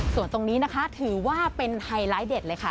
ส่วนตรงนี้นะคะถือว่าเป็นไฮไลท์เด็ดเลยค่ะ